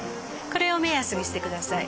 これを目安にしてください。